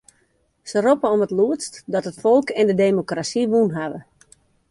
Se roppe om it lûdst dat it folk en de demokrasy wûn hawwe.